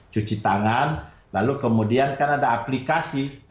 cuci tangan lalu kemudian kan ada aplikasi